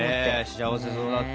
幸せそうだった。